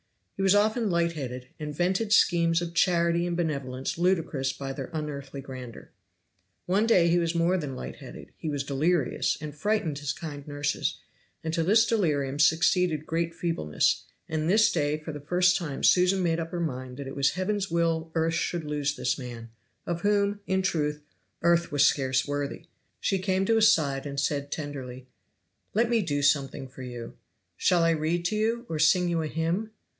He was often light headed, and vented schemes of charity and benevolence ludicrous by their unearthly grandeur. One day he was more than light headed he was delirious, and frightened his kind nurses; and to this delirium succeeded great feebleness, and this day for the first time Susan made up her mind that it was Heaven's will earth should lose this man, of whom, in truth, earth was scarce worthy. She came to his side and said tenderly, "Let me do something for you. Shall I read to you, or sing you a hymn?"